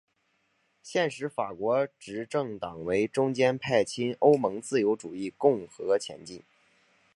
现时法国执政党为中间派亲欧盟自由主义共和前进！